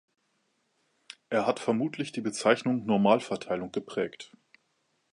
Er hat vermutlich die Bezeichnung „Normalverteilung“ geprägt.